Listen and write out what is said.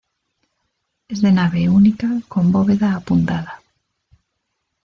Es de nave única con bóveda apuntada.